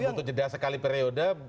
butuh jeda sekali periode